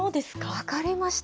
分かりました。